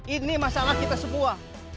ini masalah kita semua